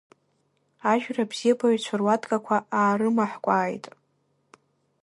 Ажәра абзиабаҩцәа руаткақәа аарымаҳкәкәааит.